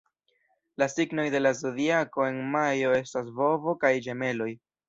La signoj de la Zodiako en majo estas Bovo kaj Ĝemeloj.